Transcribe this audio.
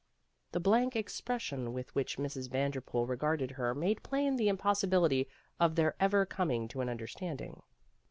The blank expression with which Mrs. Van derpool regarded her made plain the impos sibility of their ever coming to an understand ing.